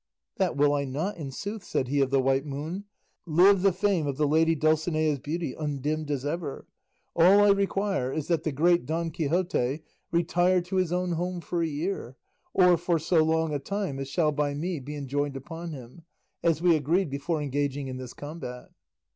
"That will I not, in sooth," said he of the White Moon; "live the fame of the lady Dulcinea's beauty undimmed as ever; all I require is that the great Don Quixote retire to his own home for a year, or for so long a time as shall by me be enjoined upon him, as we agreed before engaging in this combat."